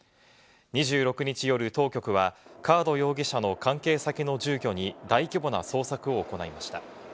２６日夜、当局はカード容疑者の関係先の住居に大規模な捜索を行いました。